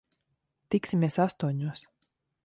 Tiksimies astoņos.